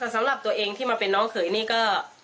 สำหรับตัวเองที่มาเป็นน้องเขยนี่ก็